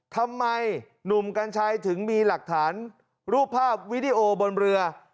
ทำไมหนุ่มกัญชัยถึงมีหลักฐานรูปภาพวิดีโอบนเรือ